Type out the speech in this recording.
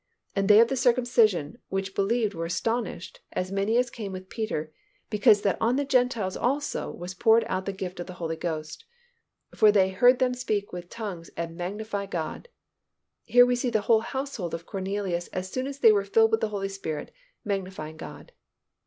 And they of the circumcision which believed were astonished, as many as came with Peter, because that on the Gentiles also was poured out the gift of the Holy Ghost. For they heard them speak with tongues, and magnify God." Here we see the whole household of Cornelius as soon as they were filled with the Holy Spirit magnifying God.